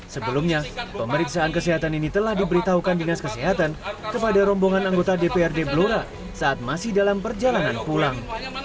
sebelumnya pemeriksaan kesehatan ini telah diberitahukan dinas kesehatan kepada rombongan anggota dprd blora saat masih dalam perjalanan pulang